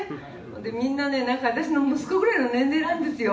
みんなね、なんか私の息子ぐらいの年齢なんですよ。